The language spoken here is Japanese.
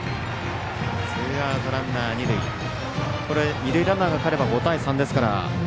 二塁ランナーがかえれば５対３ですから。